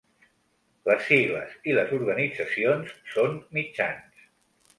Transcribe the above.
Les sigles i les organitzacions són mitjans.